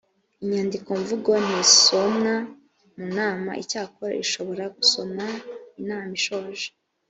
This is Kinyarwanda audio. inyandikomvugo ntisomwa mu nama icyakora ishobora gusomwa inam ishoje